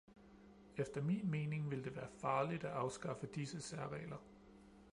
Efter min mening ville det være farligt at afskaffe disse særregler.